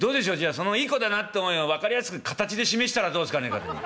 そのいい子だなって思いを分かりやすく形で示したらどうすかね」。